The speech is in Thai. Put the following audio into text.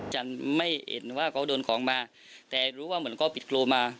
จันไม่เอ็นว่าก็โดนของมาแต่รู้ว่าเหมือนกับผิดครูมา